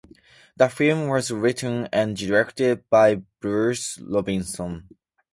The film was written and directed by Bruce Robinson.